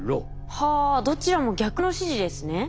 はあどちらも逆の指示ですね。